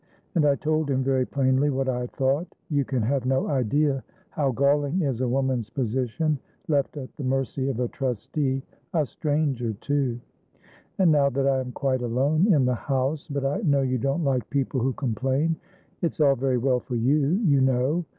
And I told him very plainly what I thought. You can have no idea how galling is a woman's position left at the mercy of a trusteea stranger too. And now that I am quite alone in the housebut I know you don't like people who complain. It's all very well for you, you know.